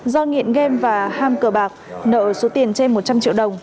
do nghiện game và ham cờ bạc nợ số tiền trên một trăm linh triệu đồng